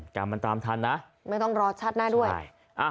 กลับมาตามทันนะไม่ต้องรอชัดหน้าด้วย